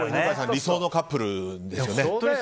理想のカップルですよね。